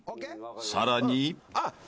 ［さらに］